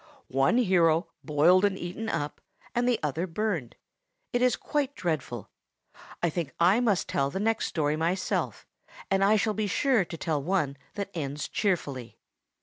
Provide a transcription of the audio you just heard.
One hero boiled and eaten up, and the other burned! It is quite dreadful. I think I must tell the next story myself, and I shall be sure to tell one that ends cheerfully."